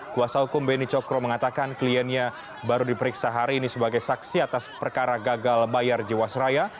kuasa hukum beni cokro mengatakan kliennya baru diperiksa hari ini sebagai saksi atas perkara gagal bayar jiwasraya